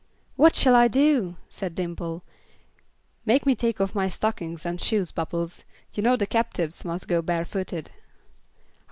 "What shall I do?" said Dimple. "Make me take off my stockings and shoes, Bubbles. You know the captives must go barefooted."